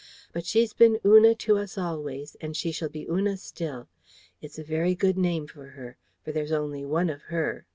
But she's been Una to us always, and she shall be Una still. It's a very good name for her: for there's only one of her.